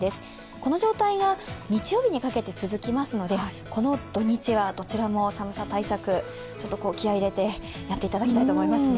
この状態が日曜日にかけて続きますので、この土日はどちらも寒さ対策、気合い入れてやっていただきたいと思いますね。